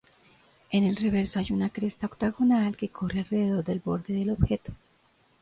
En el reverso hay una cresta octagonal, que corre alrededor del borde del objeto.